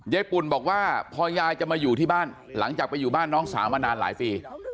ปุ่นบอกว่าพอยายจะมาอยู่ที่บ้านหลังจากไปอยู่บ้านน้องสาวมานานหลายปี